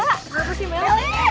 kenapa sih melly